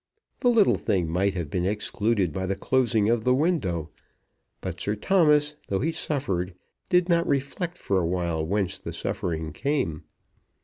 The little thing might have been excluded by the closing of the window; but Sir Thomas, though he suffered, did not reflect for a while whence the suffering came.